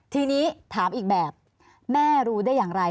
ทีนี้ถามอีกแบบแม่รู้ได้อย่างไร